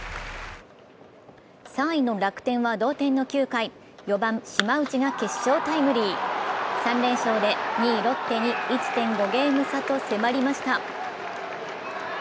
３位の楽天は同点の９回４番・島内が決勝タイムリー、３連勝で２位ロッテに１．５ゲーム差と迫りました。